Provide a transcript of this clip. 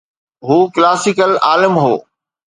هو ڪلاسيڪل عالم هو.